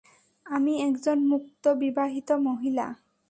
আমি একজন মুক্ত বিবাহিত মহিলা।